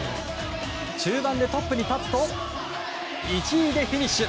中盤でトップに立つと１位でフィニッシュ。